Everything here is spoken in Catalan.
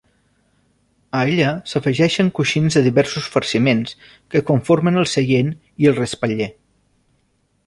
A ella s'afegeixen coixins de diversos farciments que conformen el seient i el respatller.